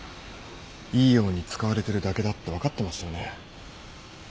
いいように使われてるだけだって分かってますよね。